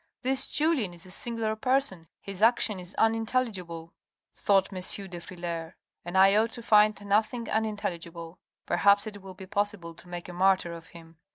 "This Julien is a singular person, his action is unintelligible," thought M. de Frilair, "and I ought to find nothing unin telligible. Perhaps it will be possible to make a martyr of him.